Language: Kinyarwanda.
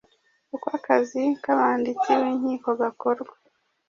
uko akazi k abanditsi b Inkiko gakorwa